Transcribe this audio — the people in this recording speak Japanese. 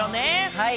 はい。